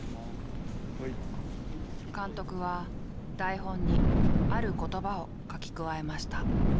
監督は台本にある言葉を書き加えました。